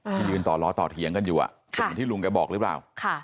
ที่ยืนต่อล้อต่อเถียงกันอยู่จะเหมือนที่ลุงแกบอกหรือเปล่า